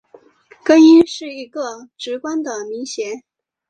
更衣是一个职官的名衔。